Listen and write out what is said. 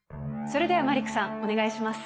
それではマリックさんお願いします。